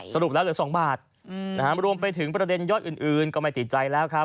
สรุปแล้วเหลือ๒บาทรวมไปถึงประเด็นยอดอื่นก็ไม่ติดใจแล้วครับ